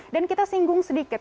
dan kita singgung sedikit